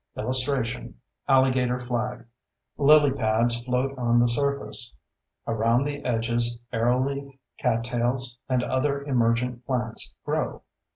[Illustration: ALLIGATOR FLAG] Lily pads float on the surface. Around the edges arrowleaf, cattails, and other emergent plants grow.